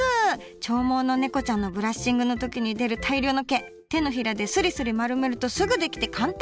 長毛のねこちゃんのブラッシングの時に出る大量の毛手のひらでスリスリ丸めるとすぐ出来て簡単！